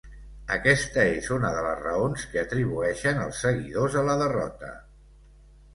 Aquesta és una de les raons que atribueixen els seguidors a la derrota.